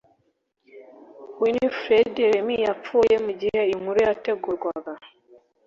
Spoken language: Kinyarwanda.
winifred remmie yapfuye mu gihe iyi nkuru yategurwaga